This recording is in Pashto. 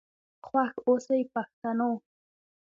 خوښ آوسئ پښتنو.